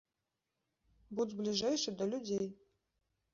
Будзь бліжэйшы да людзей!